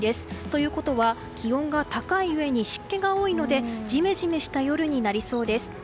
ということは、気温が高いうえに湿気が多いのでジメジメした夜になりそうです。